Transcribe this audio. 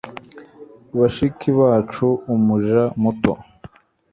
Bashiki bacu Umuja muto